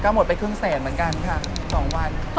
หมดไปครึ่งแสนเหมือนกันค่ะ๒วัน